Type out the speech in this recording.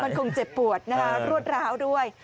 มันคงเจ็บปวดนะคะรวดร้าวด้วย